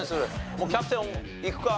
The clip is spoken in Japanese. もうキャプテンいくか？